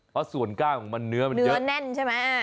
เพราะส่วนก้ามันเนื้อมันเยอะเนื้อแน่นใช่ไหม